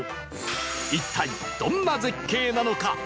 一体どんな絶景なのか？